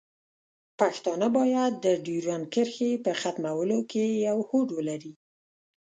پښتانه باید د ډیورنډ کرښې په ختمولو کې یو هوډ ولري.